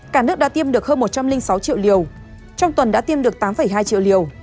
cả nước đã tiêm được hơn một trăm linh sáu triệu liều trong tuần đã tiêm được tám hai triệu liều